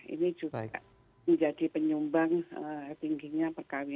ini juga menjadi penyumbang tingginya perkara ini